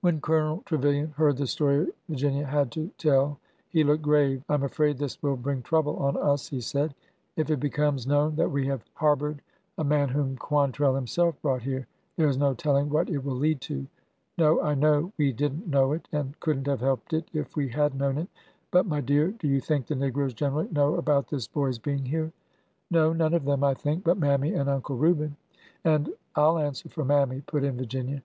When Colonel Trevilian heard the story Virginia had to tell he looked grave. I am afraid this will bring trouble on us," he said. '' If it becomes known that we have harbored a man whom Quantrell himself brought here, there is no telling what it will lead to. ... No, I know we did n't know it, and could n't have helped it if we had known it ; but — my dear, do you think the negroes generally know about this boy's being here ?" No— none of them, I think, but Mammy and Uncle Reuben and—" I 'll answer for Mammy," put in Virginia.